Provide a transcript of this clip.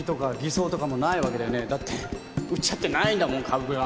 だって売っちゃってないんだもん株が。